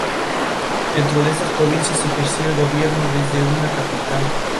Estas obras crearán un completamente nuevo acceso hacia la ciudad desde el este.